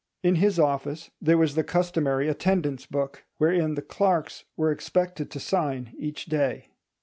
In his office there was the customary "attendance book," wherein the clerks were expected to sign each day.